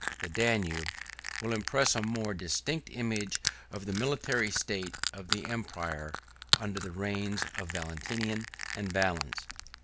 The Danube; will impress a more distinct image of the military state of the empire under the reigns of Valentinian and Valens.